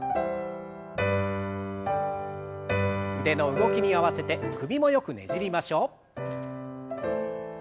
腕の動きに合わせて首もよくねじりましょう。